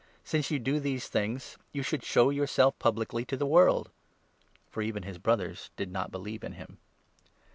Since you do these things, you should show yourself publicly to the world." For even his brothers did not believe in him.